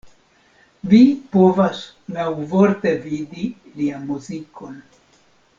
Vi povas laŭvorte vidi lian muzikon.